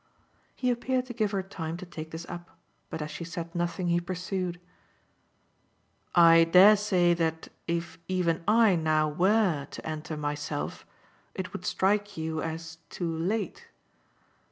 He appeared to give her time to take this up, but as she said nothing he pursued: "I dare say that if even I now WERE to enter myself it would strike you as too late."